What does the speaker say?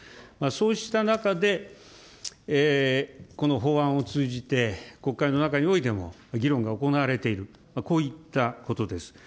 そうした中で、この法案を通じて、国会の中においても議論が行われている、こういったことです。